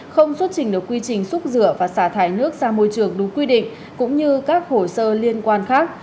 không xuất trình được quy trình xúc rửa và xả thải nước ra môi trường đúng quy định cũng như các hồ sơ liên quan khác